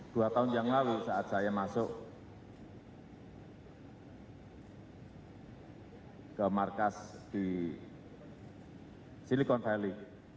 dua tahun yang lalu saat saya masuk ke markas di silicon valley